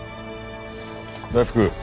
大福。